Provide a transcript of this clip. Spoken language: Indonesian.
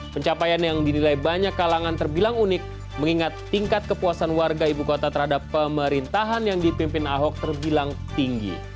pencapaian yang dinilai banyak kalangan terbilang unik mengingat tingkat kepuasan warga ibu kota terhadap pemerintahan yang dipimpin ahok terbilang tinggi